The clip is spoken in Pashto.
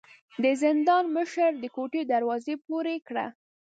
د زندان مشر د کوټې دروازه پورې کړه.